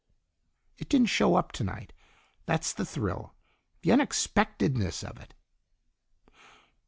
"It didn't show up tonight. That's the thrill the unexpectedness of it."